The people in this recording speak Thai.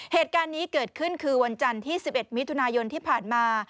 เหตุการณ์นี้เกิดขึ้นคือวันจันทร์ที่๑๑มิถุนายนที่ผ่านมา